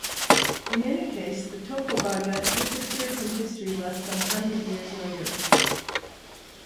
In any case, the Tocobaga disappeared from history less than a hundred years later.